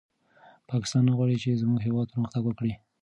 پاکستان نه غواړي چې زموږ هېواد پرمختګ وکړي.